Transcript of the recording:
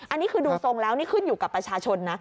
อันนี้คือดูทรงแล้วนี่ขึ้นอยู่กับประชาชนนะ